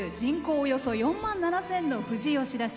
およそ４万７０００の富士吉田市。